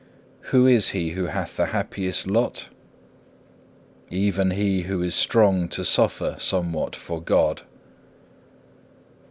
Who is he who hath the happiest lot? Even he who is strong to suffer somewhat for God.